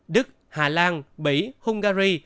đức hà lan bỉ hungary